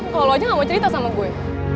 kalau lo aja gak mau cerita sama gue